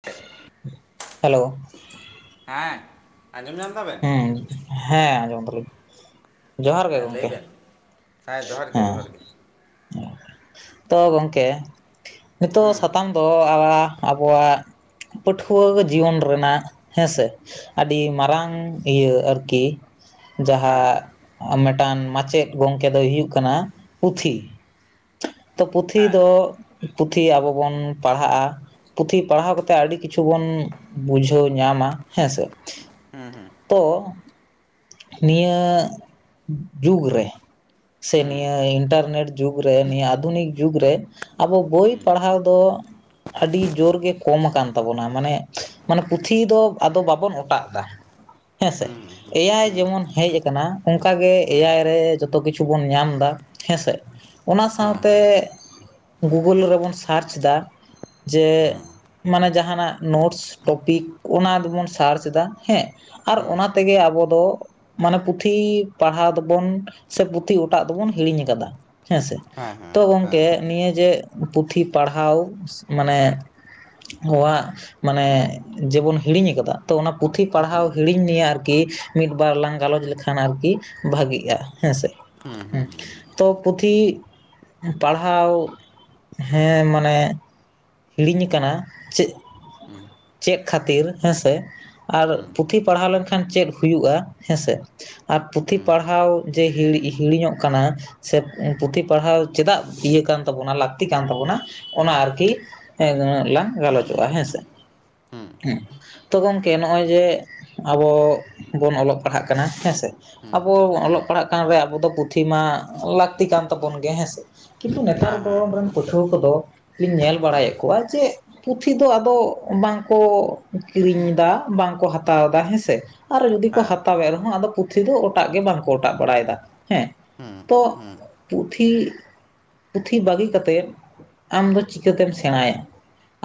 [inaudible] Hello. ᱦᱮᱸ ᱟᱡᱚᱢ ᱧᱟᱢ ᱫᱟᱵᱮᱱ ᱦᱩᱸ ᱦᱮᱸ ᱟᱸᱡᱚᱢ ᱫᱟᱞᱤᱧ ᱡᱚᱦᱟᱨ ᱜᱮ ᱦᱮᱸ ᱞᱟᱹᱭ ᱜᱚᱢᱠᱮ᱾ ᱵᱮᱱ ᱦᱮᱸ ᱡᱚᱦᱟᱨ ᱜᱮ ᱦᱮᱸ ᱡᱚᱦᱟᱨ ᱜᱮ᱾ ᱛᱚ ᱜᱚᱝᱠᱮ ᱱᱤᱛᱚᱜ ᱥᱟᱛᱟᱢ ᱫᱚ ᱟᱵᱟᱣᱟᱜ ᱟᱵᱚᱣᱟᱜ ᱯᱟᱹᱴᱷᱩᱣᱟᱹ ᱡᱤᱭᱚᱱ ᱨᱮᱱᱟᱜ ᱦᱮᱸᱥᱮ ᱟᱹᱰᱤ ᱢᱟᱨᱟᱝ ᱤᱭᱟᱹ ᱟᱨᱠᱤ ᱡᱟᱦᱟᱸ ᱢᱤᱫᱴᱟᱝ ᱢᱟᱪᱮᱫᱽ ᱜᱚᱢᱠᱮ ᱫᱚᱭ ᱦᱩᱭᱩᱜ ᱠᱟᱱᱟ ᱯᱩᱛᱷᱤ᱾ ᱛᱚ ᱯᱩᱛᱷᱤ ᱦᱮᱸ ᱫᱚ ᱯᱩᱛᱷᱤ ᱟᱵᱚ ᱵᱚᱱ ᱯᱟᱲᱦᱟᱜᱼᱟ᱾ ᱯᱩᱛᱷᱤ ᱯᱟᱲᱦᱟᱣ ᱠᱟᱛᱮᱜ ᱟᱹᱰᱤ ᱠᱤᱪᱷᱩ ᱵᱚᱱ ᱵᱩᱡᱷᱟᱹᱣ ᱧᱟᱢᱟ ᱦᱮᱸᱥᱮ᱾ ᱦᱮᱸ ᱦᱮᱸ᱾ ᱛᱚ ᱱᱤᱭᱟᱹ ᱡᱩᱜᱽ ᱨᱮ ᱥᱮ ᱱᱤᱭᱟᱹ ᱤᱱᱴᱟᱨᱱᱮᱴ ᱡᱩᱜᱽ ᱨᱮ ᱱᱤᱭᱟᱹ ᱟᱫᱷᱩᱱᱤᱠ ᱡᱩᱜᱽ ᱨᱮ ᱟᱵᱚ ᱵᱳᱭ ᱯᱟᱲᱦᱟᱣ ᱫᱚ ᱟᱹᱰᱤ ᱡᱳᱨᱜᱮ ᱠᱚᱢ ᱟᱠᱟᱱ ᱛᱟᱵᱚᱱᱟ ᱢᱟᱱᱮ᱾ ᱢᱟᱱᱮ ᱯᱩᱛᱷᱤ ᱫᱚ ᱟᱫᱚ ᱵᱟᱵᱚᱱ ᱚᱴᱟᱜ ᱫᱟ᱾ ᱦᱮᱸᱥᱮ ᱮ ᱟᱭ ᱡᱮᱢᱚᱱ ᱦᱮᱡ ᱟᱠᱟᱱᱟ ᱚᱱᱠᱟ ᱜᱮ ᱮ ᱟᱭ ᱨᱮ ᱡᱚᱛ ᱛᱚ ᱠᱤᱪᱷᱩ ᱵᱚᱱ ᱧᱟᱢ ᱫᱟ ᱦᱮᱸᱥᱮ ᱚᱱᱟ ᱥᱟᱶᱛᱮ ᱜᱩᱜᱳᱞ ᱨᱮᱵᱚᱱ ᱥᱟᱨᱪ ᱫᱟ ᱡᱮ ᱢᱟᱱᱮ ᱡᱟᱦᱟᱱᱟᱜ ᱱᱳᱴᱥ ᱴᱚᱯᱤᱠ ᱚᱱᱟ ᱫᱚᱵᱚᱱ ᱥᱟᱨᱪ ᱮᱫᱟ ᱦᱮᱸ᱾ ᱟᱨ ᱚᱱᱟ ᱛᱮᱜᱮ ᱟᱵᱚ ᱫᱚ ᱢᱟᱱᱮ ᱯᱩᱛᱷᱤ ᱯᱟᱲᱦᱟᱣ ᱫᱚᱵᱚᱱ ᱥᱮ ᱯᱩᱛᱷᱤ ᱚᱴᱟᱜ ᱫᱚᱵᱚᱱ ᱦᱤᱲᱤᱧ ᱟᱠᱟᱫᱟ ᱦᱮᱸᱥᱮ᱾ ᱦᱮᱸ ᱦᱮᱸ ᱛᱚ ᱦᱮᱸ ᱜᱚᱢᱠᱮ ᱱᱤᱭᱟᱹ ᱡᱮ ᱯᱩᱛᱷᱤ ᱯᱟᱲᱦᱟᱣ ᱢᱟᱱᱮ ᱦᱚᱣᱟᱜ ᱢᱟᱱᱮ ᱡᱮᱵᱚᱱ ᱦᱤᱲᱤᱧ ᱟᱠᱟᱫᱟ ᱛᱚ ᱚᱱᱟ ᱯᱩᱛᱷᱤ ᱯᱟᱲᱦᱟᱣ ᱦᱤᱲᱤᱧ ᱱᱤᱭᱮ ᱟᱨᱠᱤ ᱢᱤᱫ ᱵᱟᱨ ᱞᱟᱝ ᱜᱟᱞᱚᱪ ᱞᱮᱠᱷᱟᱱ ᱟᱨᱠᱤ ᱵᱷᱟᱜᱤᱜᱼᱟ᱾ ᱦᱮᱸᱥᱮ ᱛᱚ ᱯᱩᱛᱷᱤ ᱯᱟᱲᱦᱟᱣ ᱦᱮᱸ ᱢᱟᱱᱮ ᱦᱤᱲᱤᱧ ᱟᱠᱟᱱᱟ ᱪᱮᱫ ᱪᱮᱫ ᱠᱷᱟᱹᱛᱤᱨ ᱦᱮᱸᱥᱮ? ᱟᱨ ᱯᱩᱛᱷᱤ ᱯᱟᱲᱦᱟᱣ ᱞᱮᱱᱠᱷᱟᱱ ᱪᱮᱫ ᱦᱩᱭᱩᱜᱼᱟ ᱦᱮᱸᱥᱮ? ᱟᱨ ᱯᱩᱛᱷᱤ ᱯᱟᱲᱦᱟᱣ ᱡᱮ ᱦᱤᱲᱤ ᱦᱤᱲᱤᱧᱚᱜ ᱠᱟᱱᱟ᱾ ᱥᱮ ᱯᱩᱸᱛᱷᱤ ᱯᱟᱲᱦᱟᱣ ᱪᱮᱫᱟᱜ ᱤᱭᱟᱹ ᱠᱟᱱ ᱛᱟᱵᱚᱱᱟ ᱞᱟᱹᱠᱛᱤ ᱠᱟᱱ ᱛᱟᱵᱚᱱᱟ ᱚᱱᱟ ᱟᱨᱠᱤ᱾ [inaudible] ᱱᱟᱹᱜ ᱞᱟᱝ ᱜᱟᱞᱚᱪᱚᱜᱼᱟ ᱦᱮᱸ ᱥᱮ? ᱦᱮᱸ ᱛᱚ ᱜᱚᱢᱠᱮ ᱱᱚᱜᱼᱚᱭ ᱡᱮ ᱟᱵᱚ ᱵᱚᱱ ᱚᱞᱚᱜ ᱯᱟᱲᱦᱟᱜ ᱠᱟᱱᱟ ᱦᱮᱸ ᱥᱮ ᱟᱵᱚ ᱚᱞᱚᱜ ᱯᱟᱲᱦᱟᱜ ᱠᱟᱱ ᱨᱮ ᱟᱵᱚ ᱫᱚ ᱯᱩᱛᱷᱤ ᱢᱟ ᱞᱟᱹᱠᱛᱤ ᱠᱟᱱ ᱛᱟᱵᱚᱱ ᱜᱮ ᱦᱮᱸᱥᱮ? ᱠᱤᱱᱛᱩ ᱱᱮᱛᱟᱨ ᱫᱚ ᱦᱮᱸ ᱦᱮᱸ ᱟᱵᱚ ᱨᱮᱱ ᱯᱟᱹᱴᱷᱩᱣᱟᱹ ᱠᱚᱫᱚ ᱞᱤᱧ ᱧᱮᱞ ᱵᱟᱲᱟᱭᱮᱫ ᱠᱚᱣᱟ ᱡᱮ ᱯᱩᱛᱷᱤ ᱫᱚ ᱟᱫᱚ ᱵᱟᱝᱠᱚ ᱠᱤᱨᱤᱧ ᱫᱟ ᱵᱟᱝᱠᱚ ᱦᱟᱛᱟᱣ ᱮᱫᱟ ᱦᱮᱸᱥᱮ? ᱟᱨᱚ ᱡᱩᱫᱤ ᱠᱚ ᱦᱮᱸ ᱦᱟᱛᱟᱣ ᱮᱫ ᱨᱮᱦᱚᱸ ᱟᱫᱚ ᱯᱩᱛᱷᱤ ᱫᱚ ᱚᱴᱟᱜ ᱜᱮ ᱵᱟᱝᱠᱚ ᱚᱴᱟᱜ ᱵᱟᱲᱟᱭᱮᱫᱟ ᱦᱮᱸ ᱛᱚ ᱯᱩᱛᱷᱤ ᱯᱩᱛᱷᱤ ᱵᱟᱹᱜᱤ ᱠᱟᱛᱮᱫ ᱟᱢ ᱫᱚ ᱪᱤᱠᱟᱹᱛᱮᱢ ᱥᱮ ᱥᱮᱬᱟᱭᱟ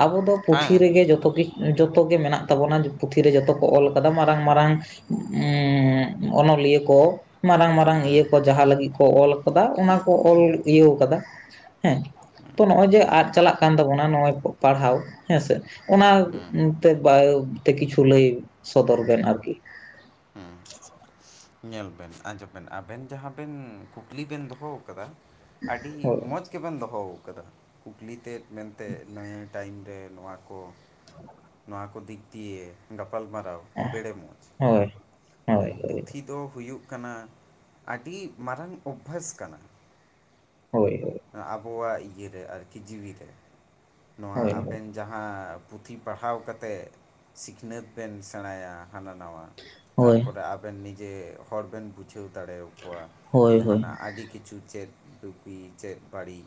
ᱟᱵᱚ ᱫᱚ ᱯᱩᱛᱷᱤ ᱦᱮᱸ ᱨᱮᱜᱮ ᱡᱚᱛᱚ ᱠᱤ ᱡᱚᱛᱚ ᱜᱮ ᱢᱮᱱᱟᱜ ᱛᱟᱵᱚᱱᱟ ᱯᱩᱛᱷᱤ ᱨᱮ ᱡᱚᱛᱚ ᱠᱚ ᱚᱞ ᱟᱠᱟᱫᱟ ᱢᱟᱨᱟᱝ ᱢᱟᱨᱟᱝ ᱩᱸᱻ ᱚᱱᱚᱞᱤᱭᱟᱹ ᱠᱚ ᱢᱟᱨᱟᱝ ᱢᱟᱨᱟᱝ ᱤᱭᱟᱹ ᱠᱚ ᱡᱟᱦᱟᱸ ᱞᱟᱹᱜᱤᱫ ᱠᱚ ᱚᱞ ᱟᱠᱟᱫᱟ ᱚᱱᱟ ᱠᱚ ᱚᱞ ᱤᱭᱟᱹᱣ ᱟᱠᱟᱫᱟ ᱦᱮᱸ ᱛᱚ ᱱᱚᱜ-ᱚᱭ ᱡᱮ ᱟᱫ ᱪᱟᱞᱟᱜ ᱠᱟᱱ ᱛᱟᱵᱚᱱᱟ ᱱᱚᱜᱼᱚᱭ ᱯᱟᱲᱦᱟᱣ ᱦᱮᱸᱥᱮ ᱚᱱᱟ ᱛᱮ ᱵᱟ ᱛᱮ ᱠᱤᱪᱷᱩ ᱞᱟᱹᱭ ᱥᱚᱫᱚᱨ ᱵᱮᱱ ᱟᱨᱠᱤ ᱧᱮᱞ ᱵᱮᱱ ᱟᱸᱡᱚᱢ ᱵᱮᱱ ᱟᱵᱮᱱ ᱡᱟᱦᱟᱸ ᱵᱮᱱ ᱠᱩᱠᱞᱤ ᱵᱮᱱ ᱫᱚᱦᱚ ᱟᱠᱟᱫᱟ ᱟᱹᱰᱤ ᱦᱳᱭ ᱢᱚᱡᱽ ᱜᱮᱵᱮᱱ ᱫᱚᱦᱚ ᱟᱠᱟᱫᱟ ᱠᱩᱠᱞᱤ ᱛᱮᱫ ᱢᱮᱱᱛᱮ ᱱᱤᱭᱟᱹ ᱴᱟᱭᱤᱢ ᱨᱮ ᱱᱚᱣᱟ ᱠᱚ [unintelligible] ᱚᱱᱟ ᱠᱚ ᱫᱤᱠ ᱫᱤᱭᱮ ᱜᱟᱯᱟᱞ ᱢᱟᱨᱟᱣ ᱵᱮᱲᱮ ᱢᱚᱡᱽ ᱦᱳᱭ ᱦᱳᱭ ᱢᱮᱱ ᱯᱩᱛᱷᱤ ᱫᱚ ᱦᱩᱭᱩᱜ ᱠᱟᱱᱟ, ᱟᱹᱰᱤ ᱢᱟᱨᱟᱝ ᱚᱵᱽᱵᱷᱟᱥ ᱠᱟᱱᱟ ᱦᱳᱭ ᱦᱳᱭ ᱟᱵᱚᱣᱟᱜ ᱤᱭᱟᱹ ᱨᱮ ᱟᱨᱠᱤ ᱡᱤᱣᱤ ᱨᱮ ᱱᱚᱣᱟ ᱦᱳᱭ ᱦᱳᱭ ᱟᱵᱮᱱ ᱡᱟᱦᱟᱸ ᱯᱩᱛᱷᱤ ᱯᱟᱲᱦᱟᱣ ᱠᱟᱛᱮᱜ ᱥᱤᱠᱷᱱᱟᱹᱛ ᱵᱮᱱ ᱥᱮᱬᱟᱭᱟ ᱦᱟᱱᱟ ᱱᱟᱣᱟ ᱦᱳᱭ ᱛᱟᱨᱯᱚᱨ ᱟᱵᱮᱱ ᱱᱤᱡᱮ ᱦᱚᱲ ᱵᱮᱱ ᱵᱩᱡᱷᱟᱹᱣ ᱫᱟᱲᱮᱭᱟ ᱠᱚᱣᱟ ᱦᱳᱭ ᱦᱳᱭ ᱡᱟᱦᱟᱱᱟᱜ ᱟᱹᱰᱤ ᱠᱤᱪᱷᱩ ᱪᱮᱫ ᱵᱩᱜᱤ ᱪᱮᱫ ᱵᱟᱹᱲᱤᱡ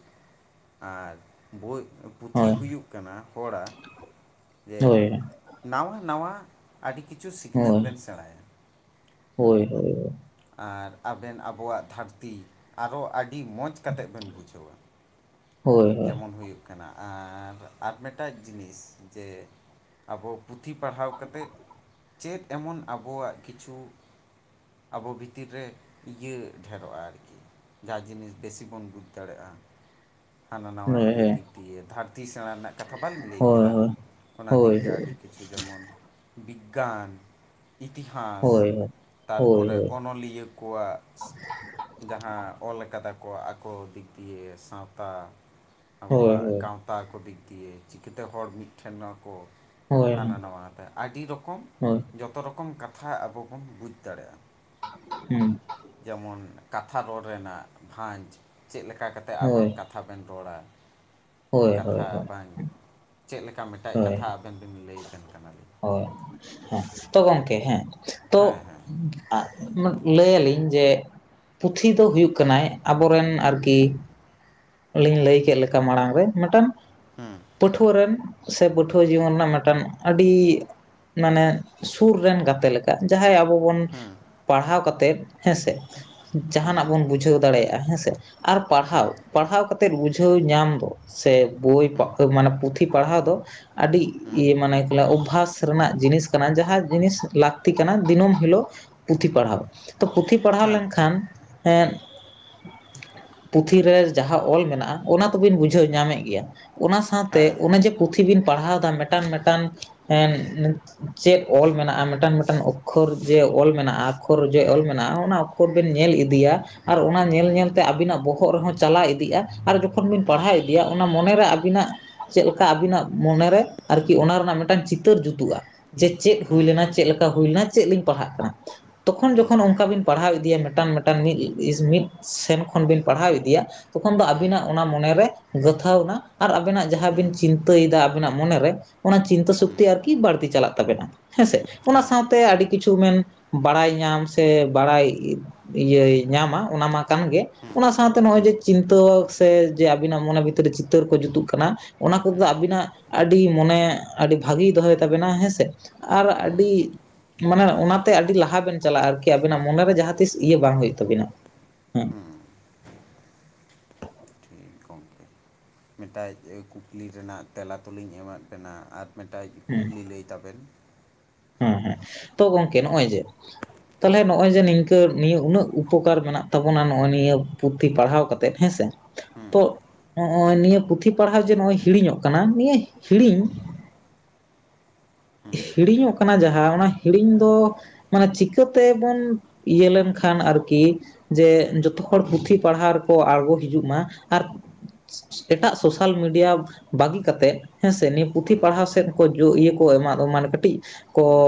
ᱟᱨ ᱵᱚᱭ ᱯᱩᱛᱷᱤ ᱦᱳᱭ ᱦᱩᱭᱩᱜ ᱠᱟᱱᱟ ᱦᱚᱲᱟ ᱡᱮ ᱦᱳᱭ ᱱᱟᱣᱟ ᱱᱟᱣᱟ ᱟᱹᱰᱤ ᱠᱤᱪᱷᱩ ᱥᱤᱠᱷᱱᱟᱹᱛ ᱵᱮᱱ ᱥᱮᱬᱟᱭᱟ ᱦᱳᱭ ᱦᱳᱭ ᱟᱨ ᱟᱵᱮᱱ ᱟᱵᱚᱣᱟᱜ ᱫᱷᱟᱹᱨᱛᱤ ᱟᱨᱚ ᱟᱹᱰᱤ ᱢᱚᱡᱽ ᱠᱟᱛᱮᱫ ᱵᱮᱱ ᱵᱩᱡᱷᱟᱹᱣᱟ ᱡᱮᱢᱚᱱ ᱦᱩᱭᱩᱜ ᱠᱟᱱᱟ ᱟᱨᱻ ᱟᱨ ᱢᱤᱫᱴᱟᱝ ᱡᱤᱱᱤᱥ ᱡᱮ ᱟᱵᱚ ᱯᱩᱛᱷᱤ ᱯᱟᱲᱦᱟᱣ ᱠᱟᱛᱮᱫ ᱪᱮᱫ ᱮᱢᱚᱱ ᱟᱵᱚᱣᱟᱜ ᱠᱤᱪᱷᱩ ᱟᱵᱚ ᱵᱷᱤᱛᱤᱨ ᱨᱮ ᱤᱭᱟᱹ ᱰᱷᱮᱨᱚᱜᱼᱟ ᱟᱨᱠᱤ ᱡᱟᱦᱟᱸ ᱡᱤᱱᱤᱥ ᱵᱮᱥᱤ ᱵᱚᱱ ᱵᱩᱡᱽ ᱫᱟᱲᱮᱭᱟᱜᱼᱟ ᱦᱟᱱᱟ ᱱᱟᱣᱟ ᱤᱭᱟᱹ ᱫᱤᱠ ᱫᱤᱭᱮ ᱫᱷᱟᱹᱨᱛᱤ ᱥᱮᱬᱟ ᱨᱮᱱᱟᱜ ᱠᱟᱛᱷᱟ ᱵᱟᱞᱤᱧ ᱞᱟᱹᱭ ᱠᱮᱫᱟ ᱚᱱᱟ ᱫᱤᱠ ᱫᱤᱭᱮ ᱟᱹᱰᱤ ᱠᱤᱪᱷᱩ ᱡᱮᱢᱚᱱ ᱵᱤᱜᱽᱜᱟᱱ ᱤᱛᱤᱦᱟᱥ ᱛᱟᱨᱯᱚᱨᱮ ᱚᱱᱚᱞᱤᱭᱟᱹ ᱟᱠᱚᱣᱟᱜ ᱡᱟᱦᱟᱸ ᱚᱞ ᱟᱠᱟᱫᱟ ᱠᱚ ᱟᱠᱚ ᱫᱤᱠ ᱫᱤᱭᱮ ᱥᱟᱶᱛᱟ ᱟᱵᱚᱣᱟᱜ ᱜᱟᱶᱛᱟ ᱠᱚ ᱫᱤᱠ ᱫᱤᱭᱮ ᱪᱤᱠᱟᱹᱛᱮ ᱦᱚᱲ ᱢᱤᱫᱴᱷᱮᱱᱚᱜ ᱟᱠᱚ ᱦᱟᱱᱟ ᱱᱟᱣᱟ ᱛᱮ ᱟᱹᱰᱤ ᱨᱚᱠᱚᱢ ᱡᱚᱛᱚ ᱨᱚᱠᱚᱢ ᱠᱟᱛᱷᱟ ᱟᱵᱚ ᱵᱚᱱ ᱵᱩᱡᱽ ᱫᱟᱲᱮᱭᱟᱜᱼᱟ ᱦᱩᱸ ᱡᱮᱢᱚᱱ ᱠᱟᱛᱷᱟ ᱨᱚᱲ ᱨᱮᱱᱟᱜ ᱵᱷᱟᱡᱽ ᱪᱮᱫ ᱞᱮᱠᱟ ᱠᱟᱛᱮ ᱟᱵᱮᱱ ᱦᱳᱭ, ᱠᱟᱛᱷᱟ ᱵᱮ ᱵᱮᱱ ᱨᱚᱲᱟ ᱦᱳᱭ, ᱦᱳᱭ, ᱠᱟᱛᱷᱟ ᱵᱟᱝ ᱪᱮᱫ ᱞᱮᱠᱟ ᱢᱤᱱ ᱢᱤᱫᱴᱮᱡ ᱦᱳᱭ, ᱠᱟᱛᱷᱟ ᱟᱵᱮᱱ ᱵᱮᱱ ᱞᱟᱹᱭ ᱟᱠᱟᱱ ᱠᱟᱱᱟᱞᱤᱧ ᱦᱳᱭ ᱦᱮᱸ ᱛᱚ ᱜᱚᱢᱠᱮ ᱦᱮᱸ ᱛᱚ ᱦᱮᱸ ᱦᱮᱸ ᱞᱟᱹᱭ ᱟᱞᱤᱧ ᱡᱮ ᱯᱩᱛᱷᱤ ᱫᱚ ᱦᱩᱭᱩᱜ ᱠᱟᱱᱟᱭ ᱟᱵᱚᱨᱮᱱ ᱟᱨᱠᱤ ᱟᱞᱤᱧ ᱞᱟᱹᱭ ᱠᱮᱫ ᱞᱮᱠᱟ ᱢᱟᱲᱟᱝ ᱨᱮ ᱢᱤᱫᱴᱟᱝ ᱦᱩᱸ ᱯᱟᱹᱴᱷᱩᱣᱟᱹ ᱨᱮᱱ ᱥᱮ ᱯᱟᱹᱴᱷᱩᱣᱟᱹ ᱡᱤᱭᱚᱱ ᱨᱮᱱᱟᱜ ᱢᱤᱫᱴᱟᱝ ᱟᱹᱰᱤ ᱢᱟᱱᱮ ᱥᱩᱨ ᱨᱮᱱ ᱜᱟᱛᱮ ᱞᱮᱠᱟ ᱡᱟᱦᱟᱸᱭ ᱟᱵᱚ ᱵᱚᱱ ᱦᱩᱸ ᱯᱟᱲᱦᱟᱣ ᱠᱟᱛᱮᱫ ᱦᱮᱸᱥᱮ ᱡᱟᱦᱟᱱᱟᱜ ᱵᱚᱱ ᱵᱩᱡᱷᱟᱹᱣ ᱫᱟᱲᱮᱭᱟᱜᱼᱟ ᱦᱮᱸ ᱥᱮ ᱟᱨ ᱯᱟᱲᱦᱟᱣ ᱯᱟᱲᱦᱟᱣ ᱠᱟᱛᱮᱫ ᱵᱩᱡᱷᱟᱹᱣ ᱧᱟᱢ ᱫᱚ ᱥᱮ ᱵᱳᱭ ᱦᱩᱸ ᱢᱟᱱᱮ ᱯᱩᱛᱷᱤ ᱯᱟᱲᱦᱟᱣ ᱫᱚ ᱟᱹᱰᱤ ᱤᱭᱟᱹ ᱢᱟᱱᱮ ᱠᱮᱞᱟ ᱚᱵᱵᱷᱟᱥ ᱨᱮᱱᱟᱜ ᱡᱤᱱᱤᱥ ᱠᱟᱱᱟ ᱡᱟᱦᱟᱸ ᱡᱤᱱᱤᱥ ᱞᱟᱹᱠᱛᱤ ᱠᱟᱱᱟ ᱫᱤᱱᱟᱹᱢ ᱦᱤᱞᱳᱜ ᱯᱩᱛᱷᱤ ᱯᱟᱲᱦᱟᱣ ᱛᱚ ᱯᱩᱛᱷᱤ ᱯᱟᱲᱦᱟᱣ ᱦᱮᱸ ᱞᱮᱱᱠᱷᱟᱱ ᱮᱸᱫ ᱯᱩᱛᱷᱤ ᱨᱮ ᱡᱟᱦᱟᱸ ᱚᱞ ᱢᱮᱱᱟᱜ-ᱟ ᱚᱱᱟ ᱛᱚᱵᱤᱱ ᱵᱩᱡᱷᱟᱹᱣ ᱧᱟᱢᱮᱫ ᱜᱮᱭᱟ ᱚᱱᱟ ᱥᱟᱶᱛᱮ ᱦᱮᱸ ᱚᱱᱮ ᱡᱮ ᱯᱩᱛᱷᱤ ᱵᱤᱱ ᱯᱟᱲᱦᱟᱣ ᱮᱫᱟ ᱢᱤᱴᱟᱝ ᱢᱤᱴᱟᱝ ᱮᱫ ᱪᱮᱫ ᱚᱞ ᱢᱮᱱᱟᱜ-ᱟ ᱢᱤᱴᱟᱝ ᱢᱤᱴᱟᱝ ᱚᱠᱠᱷᱚᱨ ᱡᱮ ᱚᱞ ᱢᱮᱱᱟᱜ-ᱟ ᱚᱠᱠᱷᱚᱨ ᱡᱮ ᱚᱞ ᱢᱮᱱᱟᱜ-ᱟ ᱚᱱᱟ ᱚᱠ ᱠᱷᱚᱱ ᱵᱮᱱ ᱧᱮᱞ ᱤᱫᱤᱭᱟ ᱟᱨ ᱚᱱᱟ ᱧᱮᱞ ᱦᱩᱸ ᱧᱮᱞ ᱛᱮ ᱟᱵᱤᱱᱟᱜ ᱵᱚᱦᱚᱜ ᱨᱮᱦᱚᱸ ᱪᱟᱞᱟᱣ ᱤᱫᱤᱜ-ᱟ ᱟᱨ ᱡᱚᱠᱷᱚᱱ ᱵᱤᱱ ᱦᱩᱸ ᱯᱟᱲᱦᱟᱣ ᱤᱫᱤᱭᱟ ᱚᱱᱟ ᱢᱚᱱᱮᱨᱮ ᱟᱵᱤᱱᱟᱜ ᱪᱮᱫ ᱞᱮᱠᱟ ᱟᱹᱵᱤᱱᱟᱜ ᱢᱚᱱᱮᱨᱮ ᱟᱨᱠᱤ ᱚᱱᱟ ᱨᱮᱱᱟᱜ ᱢᱤᱫᱴᱟᱱ ᱪᱤᱛᱟᱹᱨ ᱡᱩᱛᱩᱜ-ᱟ ᱡᱮ ᱪᱮᱫ ᱦᱩᱸ ᱦᱩᱭ ᱦᱩᱸ ᱞᱮᱱᱟ ᱪᱮᱫ ᱞᱮᱠᱟ ᱦᱩᱭ ᱞᱮᱱᱟ ᱪᱮᱫ ᱞᱤᱧ ᱯᱟᱲᱦᱟᱜ ᱠᱟᱱᱟ ᱛᱚᱠᱷᱚᱱ ᱦᱩᱸ ᱡᱚᱠᱷᱚᱱ ᱚᱱᱠᱟ ᱵᱤᱱ ᱯᱟᱲᱦᱟᱣ ᱤᱫᱤᱭᱟ ᱢᱤᱴᱟᱝ ᱢᱤᱴᱟᱝ ᱢᱤᱫ ᱢᱤᱫ ᱥᱮᱱ ᱠᱷᱚᱱ ᱵᱤᱱ ᱯᱟᱲᱦᱟᱣ ᱤᱫᱤᱭᱟ ᱛᱚᱠᱷᱚᱱ ᱫᱚ ᱟᱵᱤᱱᱟᱜ ᱚᱱᱟ ᱢᱚᱱᱮ ᱨᱮ ᱜᱩᱛᱷᱟᱹᱣ ᱮᱱᱟ ᱟᱨ ᱟᱵᱤᱱᱟᱜ ᱡᱟᱦᱟᱸ ᱦᱩᱸ ᱦᱩᱸ ᱦᱮᱸ ᱵᱤᱱ ᱪᱤᱱᱛᱟᱹᱭᱮᱫᱟ ᱟᱵᱤᱱᱟᱜ ᱢᱚᱱᱮ ᱨᱮ ᱚᱱᱟ ᱪᱤᱱᱛᱟᱹ ᱥᱚᱠᱛᱤ ᱟᱨᱠᱤ ᱵᱟᱹᱲᱛᱤ ᱪᱟᱞᱟᱜ ᱛᱟᱵᱮᱱᱟ ᱦᱮᱸᱥᱮ ᱚᱱᱟ ᱥᱟᱶᱛᱮ ᱟᱹᱰᱤ ᱠᱤᱪᱷᱩ ᱢᱮᱱ ᱵᱟᱲᱟᱭ ᱧᱟᱢ ᱥᱮ ᱵᱟᱲᱟᱭ ᱤᱭᱟᱹᱭ ᱧᱟᱢᱟ ᱚᱱᱟ ᱢᱟ ᱠᱟᱱ ᱜᱮ ᱦᱩᱸ ᱚᱱᱟ ᱥᱟᱶᱛᱮ ᱱᱚᱜ-ᱚᱭ ᱦᱩᱸ ᱦᱩᱸ ᱡᱮ ᱪᱤᱱᱛᱟᱹ ᱥᱮ ᱡᱮ ᱟᱵᱤᱱᱟᱜ ᱢᱚᱱᱮ ᱵᱷᱤᱛᱨᱤ ᱨᱮ ᱪᱤᱛᱟᱹᱨ ᱠᱚ ᱡᱩᱛᱩᱜ ᱠᱟᱱᱟ ᱚᱱᱟ ᱠᱚ ᱦᱩᱸ ᱟᱵᱤᱱᱟᱜ ᱟᱹᱰᱤ ᱢᱚᱱᱮ ᱟᱹᱰᱤ ᱵᱷᱟᱹᱜᱤᱭ ᱫᱚᱦᱚᱭ ᱛᱟᱵᱮᱱᱟ ᱦᱮᱸᱥᱮ ᱟᱨ ᱦᱩᱸ ᱟᱹᱰᱤ ᱢᱟᱱᱮ ᱚᱱᱟᱛᱮ ᱟᱹᱰᱤ ᱞᱟᱦᱟ ᱵᱮᱱ ᱪᱟᱞᱟᱜ-ᱟ ᱟᱨᱠᱤ ᱟᱵᱤᱱᱟᱜ ᱢᱚᱱᱮᱨᱮ ᱡᱟᱦᱟᱸ ᱛᱤᱥ ᱤᱭᱟᱹ ᱵᱟᱝ ᱦᱩᱭᱩᱜ ᱛᱟᱵᱤᱱᱟ ᱦᱮᱸ ᱢᱤᱫᱴᱮᱡ ᱠᱩᱠᱞᱤ ᱨᱮᱱᱟᱜ ᱛᱮᱞᱟ ᱛᱞᱤᱧ ᱮᱢᱟᱫ ᱵᱮᱱᱟ ᱟᱨ ᱢᱤᱫᱴᱮᱡ ᱦᱮᱸ ᱠᱩᱠᱞᱤ ᱞᱟᱹᱭ ᱛᱟᱵᱮᱱ ᱦᱮᱸ ᱦᱮᱸ ᱛᱚ ᱜᱚᱝᱠᱮ ᱦᱩᱸ ᱱᱚᱜ-ᱚᱭ ᱡᱮ ᱛᱟᱞᱦᱮ ᱦᱩᱸ ᱱᱚᱜ-ᱚᱭ ᱡᱮ ᱱᱤᱝᱠᱟᱹ ᱱᱤᱭᱟᱹ ᱩᱱᱟᱹᱜ ᱩᱯᱚᱠᱟᱨ ᱢᱮᱱᱟᱜ ᱛᱟᱵᱚᱱᱟ ᱱᱚᱜ-ᱚᱭ ᱱᱤᱭᱟᱹ ᱯᱩᱛᱷᱤ ᱯᱟᱲᱦᱟᱣ ᱠᱟᱛᱮᱫ ᱦᱮᱸ ᱥᱮ ᱦᱩᱸ ᱛᱚ ᱱᱚᱜ-ᱚᱭ ᱱᱤᱭᱟᱹ ᱯᱩᱛᱷᱤ ᱯᱟᱲᱦᱟᱣ ᱡᱮ ᱱᱚᱜ-ᱚᱭ ᱦᱤᱲᱤᱧᱚᱜ ᱠᱟᱱᱟ ᱱᱤᱭᱟᱹ ᱦᱤᱲᱤᱧ ᱦᱩᱸ ᱦᱤᱲᱤᱧᱚᱜ ᱠᱟᱱᱟ ᱡᱟᱦᱟᱸ ᱚᱱᱟ ᱦᱤᱲᱤᱧ ᱫᱚ ᱢᱟᱱᱮ ᱪᱤᱠᱟᱹ ᱛᱮᱵᱚᱱ ᱤᱭᱟᱹ ᱞᱮᱱᱠᱷᱟᱱ ᱟᱨᱠᱤ ᱡᱮ ᱡᱚᱛᱚ ᱦᱚᱲ ᱯᱩᱛᱷᱤ ᱯᱟᱲᱦᱟᱣ ᱨᱮᱠᱚ ᱟᱬᱜᱚ ᱦᱤᱡᱩᱜ ᱢᱟ ᱟᱨ ᱮᱴᱟᱜ ᱥᱳᱥᱟᱞ ᱢᱤᱰᱤᱭᱟ ᱵᱟᱹᱜᱤ ᱠᱟᱛᱮᱫ ᱦᱮᱸᱥᱮ ᱱᱤᱭᱟᱹ ᱯᱩᱛᱷᱤ ᱯᱟᱲᱦᱟᱣ ᱥᱮᱫ ᱠᱚ ᱤᱭᱟᱹ ᱠᱚ ᱮᱢᱟ [unintelligible] ᱫᱚ ᱢᱟᱱᱮ ᱠᱟᱹᱴᱤᱡ ᱠᱚ ᱦᱩᱸ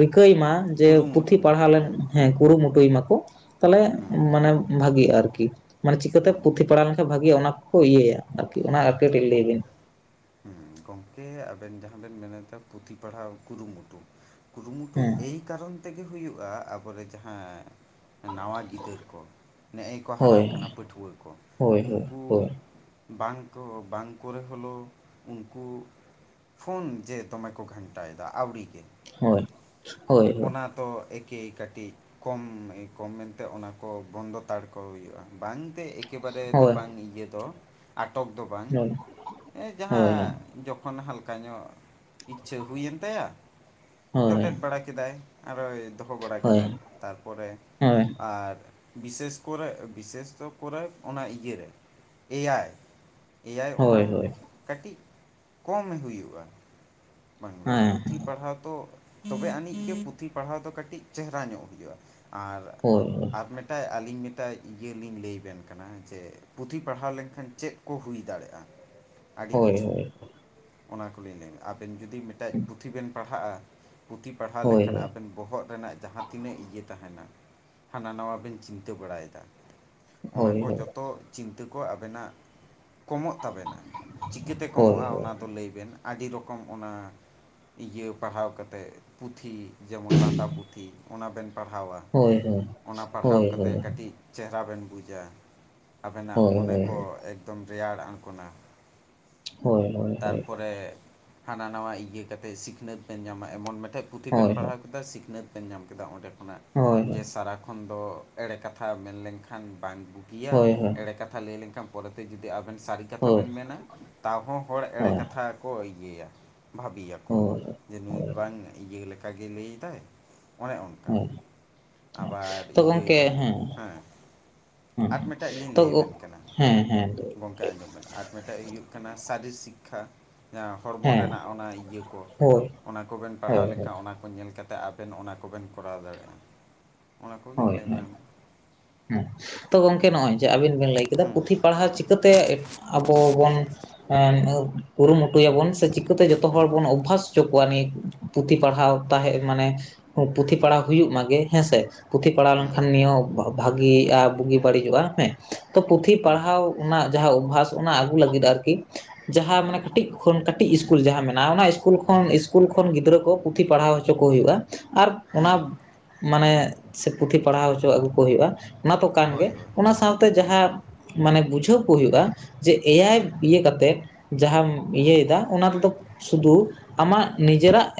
ᱨᱤᱠᱟᱹᱭ ᱢᱟ ᱡᱮ ᱯᱩᱛᱷᱤ ᱠᱩᱨᱩᱢᱩᱴᱩ ᱯᱟᱲᱦᱟᱣ ᱞᱮᱱ ᱦᱩᱸ ᱦᱮᱸ ᱠᱩᱨᱩᱢᱩᱴᱩᱭ ᱢᱟᱠᱚ ᱛᱟᱦᱞᱮ ᱦᱩᱸ ᱢᱟᱱᱮ ᱵᱷᱟᱜᱤᱜ-ᱟ ᱟᱨᱠᱤ। ᱢᱟᱱᱮ ᱪᱤᱠᱟᱹᱛᱮ ᱦᱩᱸ ᱯᱩᱛᱷᱤ ᱯᱟᱲᱟᱣ ᱞᱮᱱᱠᱷᱟᱱ ᱵᱷᱟᱜᱮᱜ-ᱜ ᱚᱱᱟ ᱠᱚᱠᱚ ᱤᱭᱟᱹᱭᱟ ᱟᱨᱠᱤ ᱚᱱᱟ ᱟᱨ ᱠᱟᱹᱴᱤᱡ ᱞᱟᱹᱭ ᱵᱤᱱ। ᱦᱩᱸ ᱜᱚᱢᱠᱮ ᱟᱵᱮᱱ ᱡᱟᱦᱟᱸ ᱵᱮᱱ ᱢᱮᱱᱮᱫᱟ ᱯᱩᱛᱷᱤ ᱯᱟᱲᱦᱟᱣ ᱠᱩᱨᱩᱢᱩᱴᱩ ᱠᱩᱨᱩᱢᱩᱴᱩ ᱦᱮᱸ ᱮᱭ ᱠᱟᱨᱚᱱ ᱛᱮᱜᱮ ᱦᱩᱭᱩᱜ-ᱟ ᱟᱵᱚᱨᱮ ᱡᱟᱦᱟᱸ ᱱᱟᱣᱟ ᱜᱤᱫᱟᱹᱨ ᱠᱚ ᱱᱮᱜ-ᱮ ᱠᱚ ᱦᱳᱭ ᱦᱟᱨᱟᱜ ᱠᱟᱱᱟ ᱯᱟᱹᱴᱷᱩᱣᱟᱹ ᱠᱚ ᱦᱳᱭ ᱦᱳᱭ ᱩᱱᱠᱩ ᱦᱳᱭ ᱵᱟᱝ ᱠᱚ ᱵᱟᱝ ᱠᱚᱨᱮ ᱦᱚᱞᱳ ᱩᱱᱠᱩ᱾ ᱯᱷᱳᱱ ᱡᱮ ᱫᱚᱢᱮ ᱠᱚ ᱜᱷᱟᱱᱴᱟᱭᱮᱫᱟ ᱟᱹᱣᱲᱤ ᱜᱮ ᱦᱳᱭ ᱦᱳᱭ ᱚᱱᱟ ᱛᱚ ᱮᱠᱮᱭ ᱠᱟᱹᱴᱤᱡ ᱠᱚᱢ ᱠᱚᱢ ᱢᱮᱱᱛᱮ ᱚᱱᱟ ᱠᱚ ᱵᱚᱱᱫᱚ ᱛᱟᱲ ᱠᱚ ᱦᱩᱭᱩᱜ-ᱟ ᱵᱟᱝᱛᱮ ᱮᱠ ᱮᱠᱮᱵᱟᱨᱮ ᱫᱚ ᱵᱟᱝ ᱤᱭᱟᱹ ᱫᱚ ᱟᱴᱚᱠ ᱫᱚ ᱵᱟᱝ ᱦᱮᱸ ᱡᱟᱦᱟᱸ ᱡᱚᱠᱷᱚᱱ ᱦᱟᱞᱠᱟ ᱧᱚᱜ ᱤᱪᱪᱷᱟᱹ ᱦᱩᱭᱮᱱ ᱛᱟᱭᱟ ᱡᱚᱴᱮᱫ ᱵᱟᱲᱟ ᱠᱮᱫᱟᱭ ᱟᱨᱚᱭ ᱫᱚᱦᱚ ᱵᱟᱲᱟ ᱠᱮᱫᱟᱭ ᱛᱟᱨᱯᱚᱨᱮ ᱟᱨ ᱵᱤᱥᱮᱥ ᱠᱚᱨᱮ ᱵᱤᱥᱮᱥᱛᱚ ᱠᱚᱨᱮ ᱚᱱᱟ ᱤᱭᱟᱹᱨᱮ ᱮᱭᱟᱭ। ᱮᱭᱟᱭ ᱚᱱᱟ ᱠᱟᱹᱴᱤᱡ ᱠᱚᱢ ᱮ ᱦᱩᱭᱩᱜ-ᱟ ᱵᱟᱝᱞᱳ ᱯᱩᱛᱷᱤ ᱯᱟᱲᱦᱟᱣ ᱫᱚ ᱛᱚᱵᱮ ᱟᱹᱱᱤᱡ ᱜᱮ ᱯᱩᱛᱷᱤ ᱯᱟᱲᱦᱟᱣ ᱫᱚ ᱠᱟᱹᱴᱤᱡ ᱪᱮᱦᱨᱟ ᱧᱚᱜ ᱦᱩᱭᱩᱜ-ᱟ ᱟᱨ ᱦᱳᱭ ᱟᱨ ᱢᱤᱫᱴᱮᱱ ᱟᱹᱞᱤᱝ ᱢᱤᱫᱴᱮᱱ ᱤᱭᱟᱹ ᱞᱤᱧ ᱞᱟᱹᱭ ᱟᱵᱮᱱ ᱠᱟᱱᱟ ᱡᱮ ᱯᱩᱛᱷᱤ ᱯᱟᱲᱦᱟᱣ ᱞᱮᱱᱠᱷᱟᱱ ᱪᱮᱫ ᱠᱚ ᱦᱩᱭ ᱫᱟᱲᱮᱭᱟᱜ-ᱟ? [inaudible] ᱟᱹᱰᱤ ᱠᱤᱪᱷᱩ ᱚᱱᱟ ᱠᱚᱞᱤᱧ ᱞᱟᱹᱭ ᱟᱵᱮᱱ ᱡᱩᱫᱤ ᱢᱤᱫᱴᱮᱱ ᱯᱩᱛᱷᱤ ᱵᱮᱱ ᱯᱟᱲᱦ ᱦᱟᱜ-ᱟ ᱯᱩᱛᱷᱤ ᱯᱟᱲᱦᱟᱣ ᱞᱮᱱᱠᱷᱟᱱ ᱟᱵᱮᱱ ᱵᱚᱦᱚᱜ ᱨᱮᱱᱟᱜ ᱡᱟᱦᱟᱸ ᱛᱤᱱᱟᱹᱜ ᱤᱭᱟᱹ ᱛᱟᱦᱮᱱᱟ ᱦᱟᱱᱟ ᱱᱟᱣᱟ ᱵᱮᱱ ᱪᱤᱱᱛᱟᱹ ᱵᱟᱲᱟᱭᱮᱫᱟ। ᱚᱱᱟ ᱠᱚ ᱡᱚᱛᱚ ᱪᱤᱱᱛᱟᱹ ᱠᱚ ᱟᱵᱮᱱᱟᱜ ᱠᱚᱢᱚᱜ ᱛᱟᱵᱮᱱᱟ ᱪᱤᱠᱟᱹᱛᱮ ᱠᱚᱢᱚᱜ-ᱟ ᱚᱱᱟ ᱫᱚ ᱞᱟᱹᱭ ᱵᱮᱱ ᱟᱹᱰᱤ ᱨᱚᱠ ᱚᱱᱟ ᱤᱭᱟᱹ ᱯᱟᱲᱦᱟᱣ ᱠᱟᱛᱮᱜ, ᱯᱩᱛᱷᱤ ᱡᱮᱢᱚᱱ ᱞᱟᱸᱫᱟ ᱯᱩᱛᱷᱤ ᱚᱱᱟ ᱵᱮᱱ ᱯᱟᱲᱦᱟᱣᱟ। ᱚᱱᱟ ᱯᱟᱲᱦᱟᱣ ᱠᱟᱛᱮᱫ ᱠᱟᱹᱴᱤᱡ ᱪᱮᱦᱮᱨᱟ ᱵᱮᱱ ᱵᱩᱡᱟ ᱾ ᱟᱵᱮᱱᱟᱜ ᱢᱚᱱᱮ ᱠᱚ ᱮᱠᱫᱚᱢ ᱨᱮᱭᱟᱲ ᱟᱱᱜᱚᱱᱟ। ᱦᱳᱭ ᱦᱳᱭ ᱛᱟᱨᱯᱚᱨᱮ, ᱦᱟᱱᱟ ᱱᱟᱣᱟ ᱤᱭᱟᱹ ᱠᱟᱛᱮᱫ ᱥᱤᱠᱷᱱᱟᱹᱛ ᱵᱮᱱ ᱧᱟᱢᱟ, ᱮᱢᱚᱱ ᱢᱤᱫᱴᱮᱡ ᱯᱩᱛᱷᱤ ᱵᱮᱱ ᱯᱟᱲᱦᱟᱣ ᱫᱟ ᱥᱤᱠᱷᱱᱟᱹᱛ ᱵᱮᱱ ᱧᱟᱢ ᱠᱮᱫᱟ ᱚᱸᱰᱮ ᱠᱷᱚᱱᱟᱜ, ᱡᱮ ᱥᱟᱨᱟ ᱛᱚᱠᱷᱚᱱ ᱫᱚ ᱮᱲᱮ ᱠᱟᱛᱷᱟ ᱢᱮᱱᱞᱮᱱᱠᱷᱟᱱ ᱵᱟᱝ ᱵᱩᱜᱤᱭᱟ। ᱮᱲᱮ ᱠᱟᱛᱷᱟ ᱛᱷᱟ ᱞᱟᱹᱭ ᱞᱮᱱᱠᱷᱟᱱ ᱯᱚᱨᱮᱛᱮ ᱡᱩᱫᱤ ᱟᱵᱮᱱ ᱥᱟᱹᱨᱤ ᱠᱟᱛᱷᱟ ᱵᱮᱱ ᱢᱮᱱᱟ, ᱛᱟᱣ ᱦᱚᱸ ᱦᱚᱲ ᱮᱲᱮ ᱠᱟᱛᱷᱟ ᱠᱚ ᱤᱭᱟᱹᱭᱟ, ᱵᱷᱟᱹᱵᱤᱭᱟ ᱠᱚ, ᱡᱮ ᱱᱩᱭ ᱵᱟᱝ ᱤᱭᱟᱹ ᱞᱮᱠᱟᱜᱮ ᱞᱟᱹᱭᱫᱟᱭ। ᱚᱱᱮ ᱚᱱᱠᱟ, ᱟᱵᱟᱨ ᱟᱨ ᱤᱭᱟᱹ ᱡᱮᱢᱚᱱ ᱦᱮᱸ ᱟᱨ ᱢᱤᱫᱴᱟᱝ ᱞᱤᱧ ᱞᱟᱹᱭ ᱟᱵᱮᱱ ᱠᱟᱱᱟ ᱾ ᱜᱚᱝᱠᱮ ᱟᱸᱡᱚᱢ ᱵᱮᱱ ᱟᱨ ᱢᱤᱫᱴᱮᱱ ᱦᱩᱭᱩᱜ ᱠᱟᱱᱟ, ᱥᱟ. ᱨᱤ ᱥᱤᱠᱷᱟ। ᱷᱚᱲᱢᱚ ᱨᱮᱱᱟᱜ ᱚᱱᱟ ᱤᱭᱟᱹ ᱠᱚ ᱾ ᱚᱱᱟ ᱠᱚᱵᱮᱱ ᱯᱟᱲᱦᱟᱣ ᱞᱮᱱᱠᱷᱟᱱ ᱚᱱᱟ ᱧᱮᱞ ᱠᱟᱛᱮᱫ ᱟᱵᱮᱱ ᱚᱱᱟ ᱠᱚᱵᱮᱱ ᱠᱚᱨᱟᱣ ᱫᱟᱲᱮᱭᱟᱜᱼᱟ, ᱚᱱᱟ ᱠᱚᱜᱮᱧ ᱞᱟᱹᱭ ᱵᱟᱝ, ᱦᱮᱸ ᱛᱚ ᱜᱚᱝᱠᱮ ᱱᱚᱜᱼᱚᱭ ᱡᱮ ᱟᱹᱵᱤᱱ ᱵᱤᱱ ᱞᱟᱹᱭ ᱠᱮᱫᱟ ᱦᱩᱸ ᱯᱩᱛᱷᱤ ᱯᱟᱲᱦᱟᱣ ᱪᱤᱠᱟᱹᱛᱮ ᱟᱵᱚ ᱵᱚᱱ ᱦᱮᱸ ᱮᱸ ᱠᱩᱨᱩ ᱢᱩᱴᱩᱭᱟ ᱵᱚᱱ, ᱥᱮ ᱪᱤᱠᱟᱹᱛᱮ ᱡᱚᱛᱚ ᱦᱚᱲ ᱦᱩᱸ ᱵᱚᱱ ᱚᱵᱷᱟᱥ ᱦᱚᱪᱚ ᱠᱚᱣᱟ ᱱᱤᱭᱟᱹ ᱯᱩᱛᱷᱤ ᱯᱟᱲᱦᱟᱣ ᱛᱟᱦᱮᱸ ᱢᱟᱱᱮ ᱯᱩᱛᱷᱤ ᱦᱩᱸ ᱯᱟᱲᱦᱟᱣ ᱦᱩᱭᱩᱜ ᱢᱟᱜᱮ, ᱦᱮᱸᱥᱮ? ᱯᱩᱛᱷᱤ ᱯᱟᱲᱟᱣ ᱦᱩᱸ ᱞᱮᱱᱠᱷᱟᱱ ᱱᱤᱭᱟᱹ ᱵᱷᱟᱜᱤᱜᱼᱟ, ᱵᱩᱜᱤ ᱵᱟᱹᱲᱤᱡᱚᱜᱼᱟ᱾ ᱦᱮᱸ ᱛᱚ ᱯᱩᱛᱷᱤ ᱦᱩᱸ ᱯᱟᱲᱦᱟᱣ ᱚᱱᱟ ᱡᱟᱦᱟᱸ ᱚᱵᱵᱷᱟᱥ ᱚᱱᱟ ᱟᱹᱜᱩ ᱞᱟᱹᱜᱤᱫ ᱟᱨᱠᱤ ᱡᱟᱦᱟᱸ ᱢᱟᱱᱮ ᱠᱟᱹᱴᱤᱡ ᱠᱷᱚᱱ ᱠᱟᱹᱴᱤᱡ ᱤᱥᱠᱩᱞ ᱡᱟᱦᱟᱸ ᱢᱮᱱᱟᱜᱼᱟ, ᱚᱱᱟ ᱤᱥᱠᱩᱞ ᱠᱷᱚᱱ ᱤᱥᱠᱩᱞ ᱠᱷᱚᱱ ᱜᱤᱫᱽᱨᱟᱹ ᱠᱚ ᱯᱩᱛᱷᱤ ᱯᱟᱲᱦᱟᱣ ᱦᱚᱪᱚ ᱠᱚ ᱦᱩᱭᱩᱜᱼᱟ ᱿ ᱟᱨ ᱚᱱᱟ ᱦᱩᱸ ᱢᱟᱱᱮ ᱥᱮ ᱯᱩᱛᱷᱤ ᱯᱟᱲᱦᱟᱣ ᱦᱚᱪᱚ ᱟᱹᱜᱩ ᱠᱚ ᱦᱩᱭᱩᱜᱼᱟ, ᱚᱱᱟ ᱫᱚ ᱠᱟᱱ ᱜᱮ ᱦᱳᱭ ᱦᱳᱭ ᱚᱱᱟ ᱥᱟᱶᱛᱮ ᱦᱩᱸ ᱡᱟᱦᱟᱸ ᱢᱟᱱᱮ ᱵᱩᱡᱷᱟᱹᱣ ᱠᱚ ᱦᱩᱭᱩᱜᱼᱟ, ᱡᱮ ᱦᱩᱸ ᱮᱭᱟᱭ ᱤᱭᱟ ᱠᱟᱛᱮᱫ, ᱡᱟᱦᱟᱸᱢ ᱦᱩᱸ ᱤᱭᱟᱭ ᱫᱟ, ᱚᱱᱟ ᱛᱮᱫᱚ ᱥᱩᱫᱩᱨ ᱟᱢᱟᱜ ᱱᱤᱡᱮᱨᱟᱜ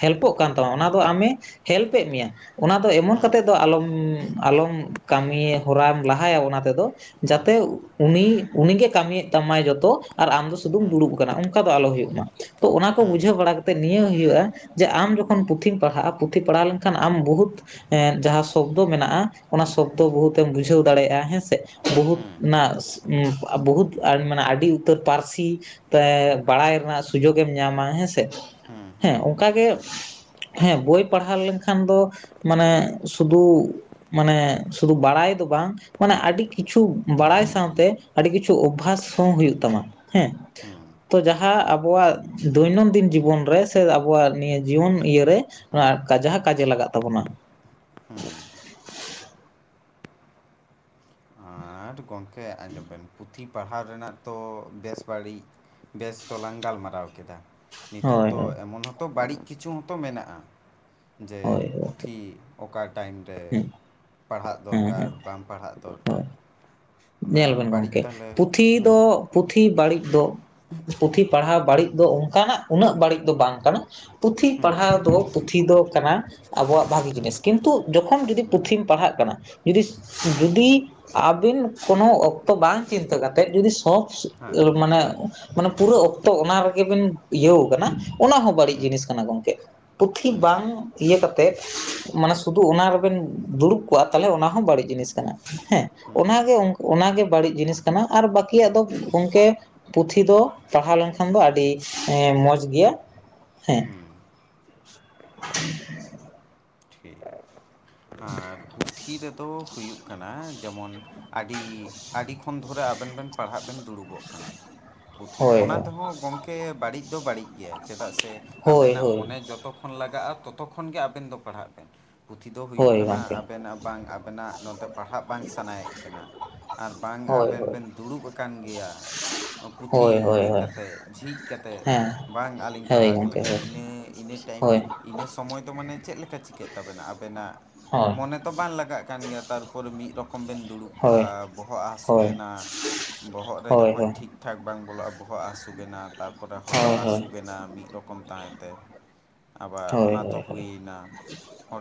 ᱦᱮᱞᱯᱚᱜ ᱠᱟᱱ ᱛᱟᱢᱟ ᱚᱱᱟ ᱫᱚ ᱟᱢᱮ ᱦᱮᱞᱯᱮᱜ ᱢᱮᱭᱟ, ᱚᱱᱟ ᱫᱚ ᱮᱢᱚᱱ ᱦᱩᱸ ᱠᱟᱛᱮᱫ ᱫᱚ ᱟᱞᱚᱢ ᱟᱞᱚᱢ ᱠᱟᱹᱢᱤ ᱦᱚᱨᱟᱢᱟᱢ ᱞᱟᱦᱟᱭᱟ ᱚᱱᱟ ᱛᱮᱫᱚ, ᱦᱩᱸ ᱡᱟᱛᱮ ᱩᱱᱤ ᱩᱱᱤᱜᱮ ᱠᱟᱹᱢᱤᱭᱮᱫ ᱛᱟᱢᱟᱭ ᱡᱚᱛᱚ, ᱟᱨ ᱟᱢ ᱫᱚ ᱦᱩᱸ ᱥᱩᱫᱩᱢ ᱦᱩᱸ ᱫᱩᱲᱩᱵ ᱟᱠᱟᱱᱟ, ᱚᱱᱠᱟ ᱫᱚ ᱟᱞᱚ ᱦᱩᱭᱩᱜ ᱢᱟ ᱾ ᱛᱚ ᱚᱱᱟ ᱠᱚ ᱦᱩᱸ ᱵᱩᱡᱷᱟᱹᱣ ᱵᱟᱲᱟ ᱠᱟᱛᱮᱫ ᱱᱤᱭᱟᱹ ᱦᱩᱭᱩᱜᱼᱟ ᱾ ᱡᱮ ᱟᱢ ᱡᱚᱠᱷᱚᱱ ᱯᱩᱛᱷᱤᱢ ᱯᱟᱲᱦᱟᱜᱼᱟ, ᱯᱩᱛᱷᱤ ᱯᱟᱲᱦᱟᱣ ᱞᱮᱱᱠᱷᱟᱱ ᱟᱢ ᱵᱚᱦᱩᱫᱽ ᱮ ᱡᱟᱦᱟᱸ ᱥᱚᱵᱽᱫᱚ ᱢᱮᱱᱟᱜᱼᱟ, ᱚᱱᱟ ᱥᱚᱵᱽᱫᱚ ᱵᱩᱦᱩᱛᱮᱢ ᱵᱩᱡᱷᱟᱹᱣ ᱫᱟᱲᱮᱭᱟᱜᱼᱟ ᱦᱮᱸᱥᱮ? ᱵᱚᱦᱩᱛ ᱚᱱᱟ ᱵᱚᱦᱩᱛ ᱢᱟᱱᱮ ᱟᱹᱰᱤ ᱩᱛᱟᱹᱨ ᱯᱟᱹᱨᱥᱤᱱ ᱛᱟᱭ ᱵᱟᱲᱟᱭ ᱨᱮᱱᱟᱜ ᱥᱩᱡᱳᱜᱽ ᱧᱟᱢᱟ ᱦᱮᱸᱥᱮ ᱾ ᱦᱩᱸ ᱦᱮᱸ ᱚᱱᱠᱟᱜᱮ, ᱦᱮᱸ ᱵᱳᱭ ᱯᱟᱲᱦᱟᱣ ᱞᱮᱱᱠᱷᱟᱱ ᱫᱚ ᱢᱟᱱᱮ ᱥᱩᱫᱩ ᱢᱟᱱᱮ ᱥᱩᱫᱩ ᱵᱟᱲᱟᱭ ᱫᱚ ᱵᱟᱝ᱾ ᱢᱟᱱᱮ ᱟᱰᱤ ᱠᱤᱪᱷᱩ ᱵᱟᱲᱟᱭ ᱥᱟᱶᱛᱮ ᱟᱹᱰᱤ ᱠᱤᱪᱷᱩ ᱚᱵᱽᱵᱷᱟᱥ ᱦᱚᱸ ᱦᱩᱭᱩᱜ ᱛᱟᱢᱟ ᱾ ᱦᱮᱸ ᱦᱩᱸ ᱦᱩᱸ ᱛᱚ ᱡᱟᱦᱟᱸ ᱟᱵᱚᱣᱟᱜ ᱫᱷᱳᱭᱱᱳᱱᱫᱤᱱ ᱡᱤᱵᱚᱱ ᱨᱮ ᱥᱮ ᱟᱵᱚᱣᱟᱜ ᱱᱤᱭᱟᱹ ᱡᱤᱭᱚᱱ ᱤᱭᱟᱹᱨᱮ ᱾ ᱚᱱᱟ ᱦᱩᱸ ᱠᱟᱡᱟ ᱠᱟᱡᱮ ᱞᱟᱜᱟᱜ ᱛᱟᱵᱚᱱᱟ ᱾ ᱦᱩᱸ ᱟᱸᱴ ᱜᱚᱝᱠᱮ ᱟᱸᱡᱚᱢ ᱵᱮᱱ ᱯᱩᱛᱷᱤ ᱯᱟᱲᱦᱟᱣ ᱨᱮᱱᱟᱜ ᱛᱚ ᱵᱮᱥ ᱵᱟᱹᱲᱤᱡ, ᱵᱮᱥ ᱛᱚᱞᱟᱝ ᱜᱟᱞᱢᱟᱨᱟᱣ ᱠᱮᱫᱟ ᱾ ᱱᱤᱛᱚᱜ ᱦᱳᱭ ᱛᱚ ᱮᱢᱚᱱ ᱦᱚᱛᱚ ᱵᱟᱹᱲᱤᱡ ᱠᱤᱪᱷᱩ ᱦᱛᱚ ᱢᱮᱱᱟᱜᱼᱟ ᱾ ᱡᱮ ᱦᱳᱭ ᱦᱳᱭ ᱯᱩᱛᱷᱤ, ᱚᱠᱟ ᱴᱟᱭᱤᱢ ᱨᱮ ᱦᱮᱸ ᱯᱟᱲᱦᱟᱜ ᱦᱮᱸ ᱫᱚᱨᱠᱟᱨ, ᱦᱮᱸ ᱵᱟᱢ ᱯᱟᱲᱦᱟᱜ ᱦᱳᱭ ᱫᱚᱨᱠᱟᱨ, ᱚᱱᱟ ᱧᱮᱞ ᱵᱮᱱ ᱵᱟᱹᱲᱤᱡ ᱜᱚᱝᱠᱮ ᱛᱟᱦᱚᱞᱮ ᱯᱩᱛᱷᱤ ᱫᱚ ᱦᱮᱸ ᱯᱩᱛᱷᱤ ᱵᱟᱹᱲᱤᱡ ᱫᱚ, ᱯᱩᱛᱷᱤ ᱯᱟᱲᱦᱟᱣ ᱵᱟᱹᱲᱤᱡ ᱫᱚ ᱚᱱᱠᱟᱱᱟᱜ ᱩᱱᱟᱹᱜ ᱵᱟᱹᱲᱤᱡ ᱫᱚ ᱵᱟᱝ ᱠᱟᱱᱟ ᱾ ᱯᱩᱛᱷᱤ ᱦᱮᱸ ᱯᱟᱲᱦᱟᱣ ᱫᱚ ᱯᱩᱛᱷᱤ ᱫᱚ ᱠᱟᱱᱟ ᱾ ᱟᱵᱚᱣᱟᱜ ᱵᱷᱟᱜᱤ ᱡᱤᱱᱤᱥ, ᱠᱤᱱᱛᱩ ᱡᱚᱠᱷᱚᱱ ᱡᱩᱫᱤ ᱯᱩᱛᱷᱤᱢ ᱯᱟᱲᱦᱟᱜ ᱠᱟᱱᱟ ᱾ ᱡᱩᱫᱤ ᱦᱮᱸ ᱡᱩᱫᱤ ᱟᱵᱮᱱ ᱠᱳᱱᱳ ᱚᱠᱛᱚ ᱵᱟᱝ ᱪᱤᱱᱛᱟᱹ ᱠᱟᱛᱮᱫ ᱡᱩᱫᱤ ᱥᱚᱠᱥ ᱦᱮᱸ ᱢᱟᱱᱮ ᱾ ᱢᱟᱱᱮ ᱯᱩᱨᱟᱹ ᱚᱠᱛᱚ ᱚᱱᱟ ᱨᱮᱜᱮᱵᱤᱱ ᱤᱭᱟᱹᱣ ᱠᱟᱱᱟ ᱾ ᱚᱱᱟ ᱦᱚᱸᱚᱸ ᱵᱟᱹᱲᱤᱡ ᱡᱤᱱᱤᱥ ᱠᱟᱱᱟ ᱜᱚᱝᱠᱮ ᱾ ᱯᱩᱛᱷᱤ ᱵᱟᱝ ᱤᱭᱟᱹ ᱠᱟᱛᱮᱫ ᱢᱟᱱᱮ ᱥᱩᱫᱩ ᱚᱱᱟ ᱨᱮᱵᱮᱱ ᱫᱩᱲᱩᱵ ᱠᱚᱜᱼᱟ᱾ ᱛᱟᱦᱚᱞᱮ ᱚᱱᱟ ᱦᱚᱸ ᱵᱟᱹᱲᱤᱡ ᱡᱤᱱᱤᱥ ᱠᱟᱱᱟ, ᱦᱮᱸ ᱚᱱᱟᱜᱮ ᱚᱱᱟᱜᱮ ᱵᱟᱹᱲᱤᱡ ᱡᱤᱱᱤᱥ ᱠᱟᱱᱟ ᱟᱨ ᱵᱟᱹᱠᱤᱭᱟᱜ ᱫᱚ ᱜᱚᱝᱠᱮ ᱯᱩᱛᱷᱤ ᱫᱚ ᱯᱟᱲᱦᱟᱣ ᱞᱮᱱᱠᱷᱟᱱ ᱫᱚ ᱟᱹᱰᱤ ᱮᱸ ᱢᱚᱡᱽ ᱜᱮᱭᱟ ᱦᱮᱸ᱾ [unintelligible] ᱴᱷᱤᱠ ᱜᱮᱭᱟ᱾ [inaudible] ᱯᱩᱛᱷᱤ ᱨᱮᱫᱚ ᱦᱩᱭᱩᱜ ᱠᱟᱱᱟ, ᱡᱮᱢᱚᱱ ᱟᱹᱰᱤ, ᱟᱹᱰᱤ ᱠᱷᱚᱱ ᱫᱷᱚᱨᱮ ᱟᱵᱮᱱ ᱵᱮᱱ ᱯᱟᱲᱦᱟᱜ ᱵᱮᱱ ᱫᱩᱲᱩᱵᱚᱜ ᱠᱟᱱᱟ᱾ ᱯᱩᱛᱷᱤ ᱦᱳᱭ ᱚᱱᱟ ᱛᱮᱦᱚᱸ ᱜᱚᱝᱠᱮ ᱵᱟᱹᱲᱤᱡ ᱫᱚ ᱵᱟᱹᱲᱤᱡ ᱜᱮᱭᱟ᱾ ᱪᱮᱫᱟᱜ ᱥᱮ ᱦᱳᱭ ᱟᱵᱮᱱᱟᱜ ᱦᱳᱭ ᱢᱚᱱᱮ ᱡᱚᱛᱚ ᱠᱷ ᱠᱷᱚᱱ ᱞᱟᱜᱟᱜ-ᱟ, ᱛᱚᱛᱚ ᱠᱷᱚᱱ ᱜᱮ ᱟᱵᱮᱹᱱ ᱫᱚ ᱯᱟᱲᱦᱟᱜ ᱵᱮᱱ᱾ ᱯᱩᱛᱷᱤ ᱫᱚ ᱦᱩᱭᱩᱜ ᱦᱳᱭ ᱠᱟᱱᱟ, ᱜᱚᱢᱠᱮ ᱟᱵᱮᱱᱟᱜ ᱵᱟᱝ ᱟᱵᱮᱱᱟᱜ ᱱᱚᱛᱮ ᱯᱟᱲᱦᱟᱜ ᱵᱟᱝ ᱥᱟᱱᱟᱭᱮᱜ ᱵᱮᱱᱟ᱾ ᱟᱨ ᱵᱟᱝ ᱦᱳᱭ ᱟᱵᱮᱱ ᱦᱳᱭ ᱵᱮᱹᱱ ᱫᱩᱲᱩᱵ ᱟᱠᱟᱱ ᱜᱮᱭᱟ᱾ ᱚ ᱯᱩᱛᱷᱤ ᱦᱳᱭ ᱦᱳᱭ ᱤᱭᱟᱹ ᱦᱳᱭ ᱠᱟᱛᱮᱫ ᱡᱷᱤᱡᱽ ᱠᱟᱛᱮᱫ᱾ ᱦᱮᱸ ᱵᱟᱝ ᱟᱹᱞᱤᱧ ᱦᱳᱭ ᱯᱟᱲᱦᱟᱣ ᱜᱮ ᱜᱚᱢᱠᱮ ᱞᱟᱜᱟ ᱦᱳᱭ ᱤᱱᱟᱹ ᱤᱱᱟᱹ ᱴᱟᱭᱤᱢ ᱦᱳᱭ ᱤᱱᱟᱹ ᱥᱚᱢᱚᱭ ᱫᱚ ᱢᱟᱱᱮ ᱪᱮᱫ ᱞᱮᱠᱟ ᱪᱤᱠᱟᱹᱜ ᱛᱟᱵᱮᱹᱱᱟ ᱟᱵᱮᱹᱱᱟᱜ ᱦᱮᱸ ᱚᱱᱮ ᱛᱚ ᱵᱟᱝ ᱞᱟᱜᱟᱜ ᱠᱟᱱ ᱜᱮᱭᱟ, ᱛᱟᱨᱯᱚᱨ ᱢᱤᱫ ᱨᱚᱠᱚᱢ ᱵᱮᱱ ᱫᱩᱲᱩᱵ ᱦᱳᱭ ᱠᱟᱜᱼᱟ ᱵᱚᱦᱚᱜ ᱦᱟᱹᱥᱩ ᱦᱳᱭ ᱵᱮᱱᱟ᱾ ᱵᱚᱦᱚᱜ ᱨᱮ ᱦᱳᱭ ᱦᱳᱭ ᱡᱚᱠᱷᱚᱱ ᱴᱷᱤᱠ ᱴᱷᱟᱠ ᱵᱟᱝ ᱵᱚᱞᱚᱜᱼᱟ, ᱵᱚᱦᱚᱜ ᱦᱟᱥᱩ ᱵᱮᱱᱟ ᱛᱟᱨᱯᱚᱨᱮ ᱦᱳᱭ ᱦᱚᱴᱚᱜ ᱦᱳᱭ ᱦᱟᱹᱥᱩ ᱵᱮᱱᱟ᱾ ᱢᱤᱫ ᱨᱚᱠ ᱨᱚᱠᱚᱢ ᱛᱟᱦᱮᱸᱛᱮ ᱟᱵᱟᱨ ᱦᱳᱭ ᱚᱱᱟ ᱛᱚ ᱦᱳᱭ ᱦᱳᱭ ᱦᱩᱭᱱᱟ